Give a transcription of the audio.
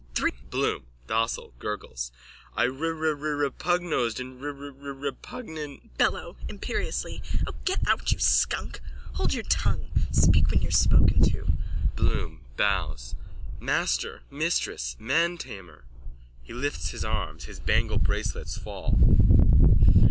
Thr... BLOOM: (Docile, gurgles.) I rererepugnosed in rerererepugnant... BELLO: (Imperiously.) O, get out, you skunk! Hold your tongue! Speak when you're spoken to. BLOOM: (Bows.) Master! Mistress! Mantamer! _(He lifts his arms. His bangle bracelets fall.)